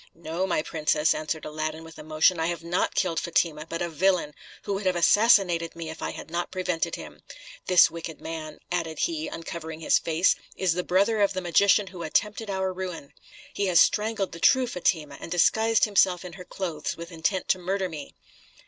"No, my princess," answered Aladdin with emotion, "I have not killed Fatima, but a villain, who would have assassinated me if I had not prevented him. This wicked man," added he, uncovering his face, "is the brother of the magician who attempted our ruin. He has strangled the true Fatima, and disguised himself in her clothes with intent to murder me."